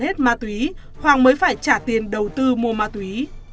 hết ma túy hoàng mới phải trả tiền đầu tư mua ma túy